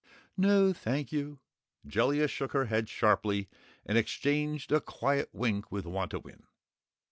"No, thank you!" Jellia shook her head sharply and exchanged a quiet wink with Wantowin.